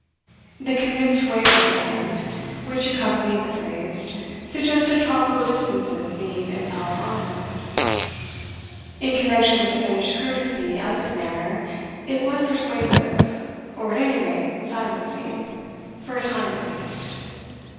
The convinced wave of the hand which accompanied the phrase suggested tropical distances being impelled onward. In connection with the finished courtesy of his manner, it was persuasive, or at any rate silencing for a time, at least.